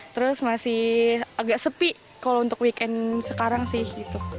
terus masih agak sepi kalau untuk weekend sekarang sih gitu